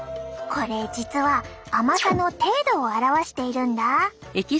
これ実は甘さの程度を表しているんだ。